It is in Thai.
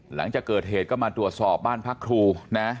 หลังจากเกิดเหตุก็มาตรวจสอบบ้านพักครูนะ